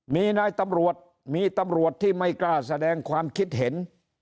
มีนายตำรวจมีตำรวจที่ไม่กล้าแสดงความคิดเห็น